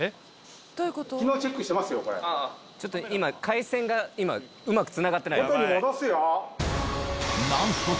ちょっと今回線がうまくつながってない。